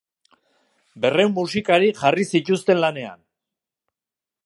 Berrehun musikari jarri zituzten lanean.